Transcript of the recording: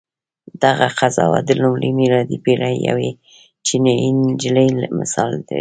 دغه قضاوت د لومړۍ میلادي پېړۍ یوې چینایي نجلۍ مثال لري.